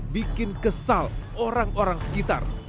bikin kesal orang orang sekitar